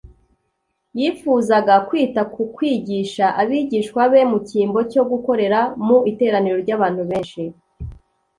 yifuzaga kwita ku kwigisha abigishwa be, mu cyimbo cyo gukorera mu iteraniro ry'abantu benshi'.